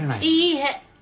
いいえ。